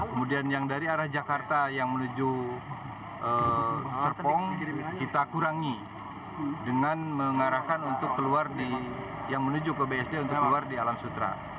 kemudian yang dari arah jakarta yang menuju serpong kita kurangi dengan mengarahkan untuk keluar di alam sutra